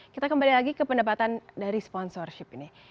kita kembali lagi ke pendapatan dari sponsorship ini